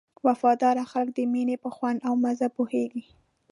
وفاداره خلک د مینې په خوند او مزه پوهېږي.